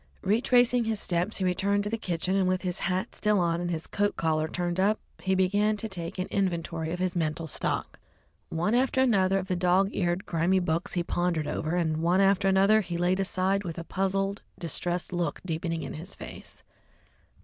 Retracing his steps, he returned to the kitchen, and with his hat still on and his coat collar turned up, he began to take an inventory of his mental stock. One after another of the dog eared, grimy books he pondered over, and one after another he laid aside, with a puzzled, distressed look deepening in his face.